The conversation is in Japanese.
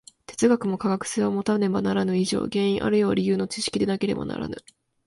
哲学も科学性をもたねばならぬ以上、原因あるいは理由の知識でなければならぬ。